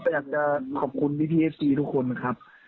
แต่อยากจะขอบคุณพี่เอฟซีทุกคนครับ